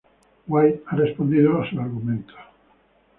White ha respondido a sus argumentos.